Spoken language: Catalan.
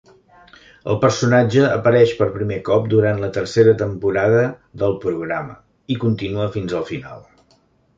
El personatge apareix per primer cop durant la tercera temporada del programa i continua fins al final.